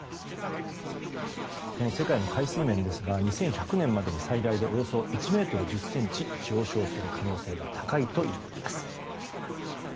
世界の海水面ですが２１００年までに最大でおよそ１ｍ１０ｃｍ上昇する可能性が高いということです。